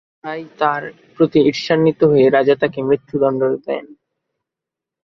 আর তাই তার প্রতি ঈর্ষান্বিত হয়ে রাজা তাকে মৃত্যুদণ্ড দেন।